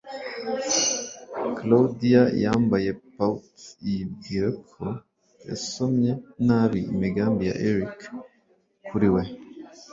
Claudia yambaye pout, yibwira ko yasomye nabi imigambi ya Eric kuri we.